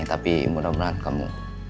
tapi mudah mudahan kamu